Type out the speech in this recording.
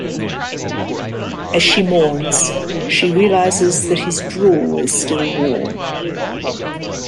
As she mourns, she realizes that his drool is still warm.